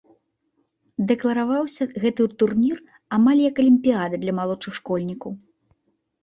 Дэклараваўся гэты турнір амаль як алімпіяда для малодшых школьнікаў.